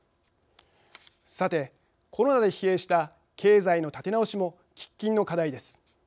さて、コロナで疲弊した経済の立て直しも喫緊の課題です。